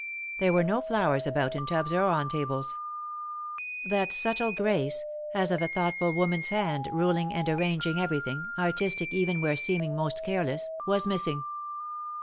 There were no flowers about in tubs or on tables. That subtle grace — as of a thoughtful woman's hand ruling and arranging everything, artistic even where seeming most careless — was missing.